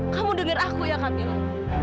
kamu dengar aku ya kamilah